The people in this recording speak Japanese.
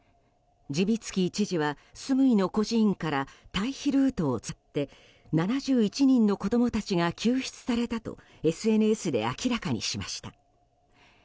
ジビツキー知事はスムイの孤児院から退避ルートを使って７１人の子供たちが救出されたとＳＮＳで明らかにしました。